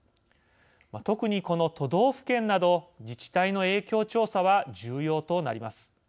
特に、この都道府県など自治体の影響調査は重要となります。